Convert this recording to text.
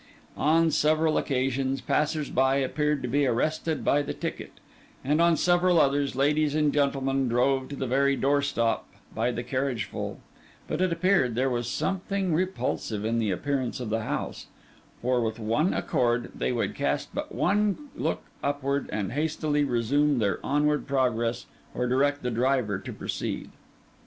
On several occasions, passers by appeared to be arrested by the ticket, and on several others ladies and gentlemen drove to the very doorstep by the carriageful; but it appeared there was something repulsive in the appearance of the house; for with one accord, they would cast but one look upward, and hastily resume their onward progress or direct the driver to proceed.